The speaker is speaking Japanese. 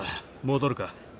戻るか。